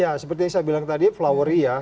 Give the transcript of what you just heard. ya seperti yang saya bilang tadi flowery ya